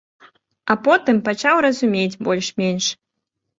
А потым пачаў разумець больш-менш.